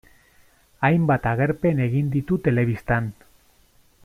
Hainbat agerpen egin ditu telebistan.